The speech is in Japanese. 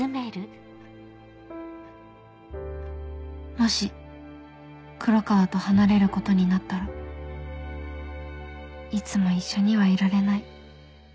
もし黒川と離れることになったらいつも一緒にはいられない